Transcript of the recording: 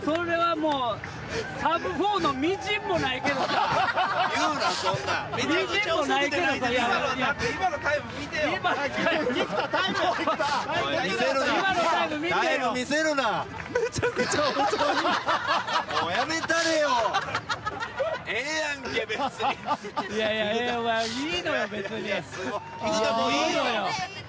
もういいよ。